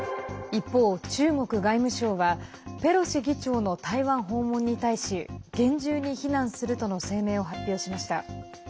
一方、中国外務省はペロシ議長の台湾訪問に対し厳重に非難するとの声明を発表しました。